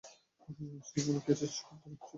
সোনামণি, খেয়েছিস কিছু?